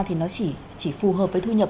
thì nó chỉ phù hợp với thu nhập